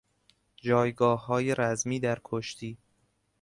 جایگاههای رزمی در کشتی